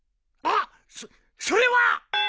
あっそそれは！